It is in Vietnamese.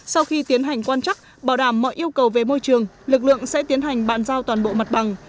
sau khi tiến hành quan chắc bảo đảm mọi yêu cầu về môi trường lực lượng sẽ tiến hành bàn giao toàn bộ mặt bằng